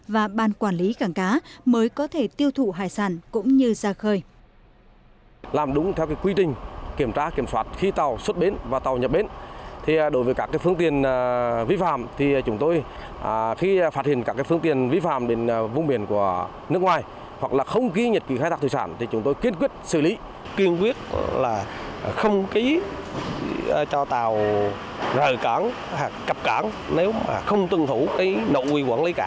và ban quản lý cảng cá mới có thể tiêu thụ hải sản cũng như ra khơi